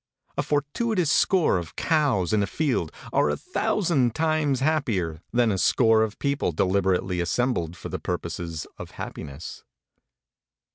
A fortuitous score of cows in a field are a thousand times happier than a score of people deliberately assembled for the purposes of happiness.